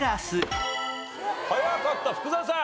早かった福澤さん。